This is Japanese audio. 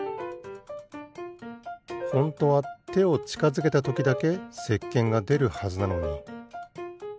ホントはてをちかづけたときだけせっけんがでるはずなのに。